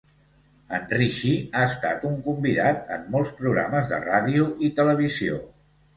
En Richie ha estat un convidat en molts programes de ràdio i televisió.